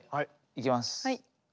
いきます。